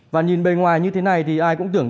và nhìn bề ngoài như thế này thì ai cũng tưởng